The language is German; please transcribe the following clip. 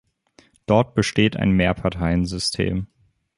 Dort besteht ein Mehrparteiensystem.